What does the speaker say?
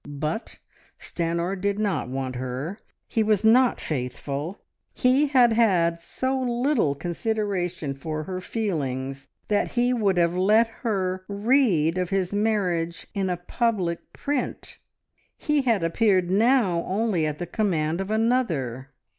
But Stanor did not want her. He was not faithful. He had had so little consideration for her feelings that he would have let her read of his marriage in a public print. He had appeared now only at the command of another.